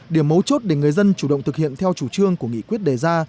điểm mấu chốt để người dân chủ động thực hiện theo chủ trương của nghị quyết đề ra